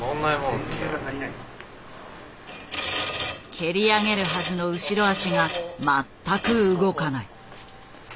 蹴り上げるはずの後脚が全く動かない。